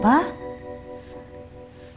belum ada kau